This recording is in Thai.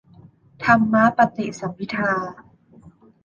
ธรรมปฏิสัมภิทา